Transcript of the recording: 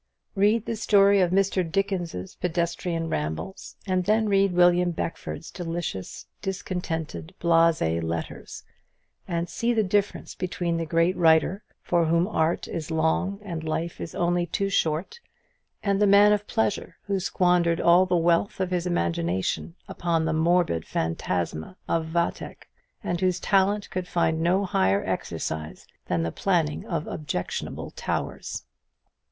Read the story of Mr. Dickens's pedestrian rambles, and then read William Beckford's delicious discontented blasé letters, and see the difference between the great writer, for whom art is long and life is only too short, and the man of pleasure, who squandered all the wealth of his imagination upon the morbid phantasma of "Vathek," and whose talent could find no higher exercise than the planning of objectionable towers.